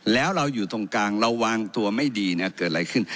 แล้วเราอยู่ตรงกลางเราวางตัวไม่ดีนะเกิดอะไรขึ้น